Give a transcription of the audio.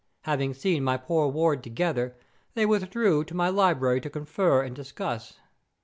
Having seen my poor ward together, they withdrew to my library to confer and discuss.